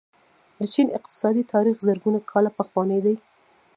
د چین اقتصادي تاریخ زرګونه کاله پخوانی دی.